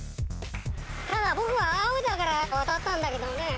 ただ僕は青だから渡ったんだけどね。